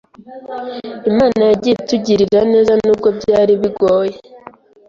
Imana yagiye itugirira neza n’ubwo byari bigoye.